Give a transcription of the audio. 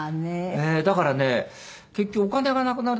だからね結局お金がなくなると女房はね